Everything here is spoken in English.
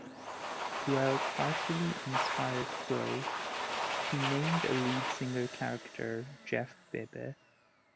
Buell partially inspired Crowe; he named a lead singer character Jeff Bebe.